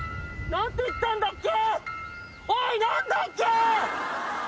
何て言ったっけ？